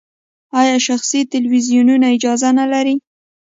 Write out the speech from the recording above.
آیا شخصي تلویزیونونه اجازه نلري؟